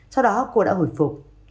sau đó cô đã hồi phục